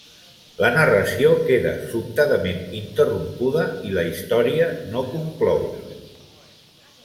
La narració queda sobtadament interrompuda i la història no conclou.